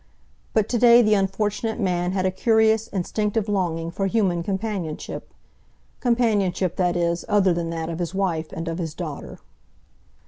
But to day the unfortunate man had a curious, instinctive longing for human companionship—companionship, that is, other than that of his wife and of his daughter.